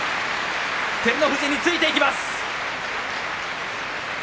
照ノ富士についていきます。